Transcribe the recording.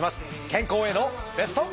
健康へのベスト。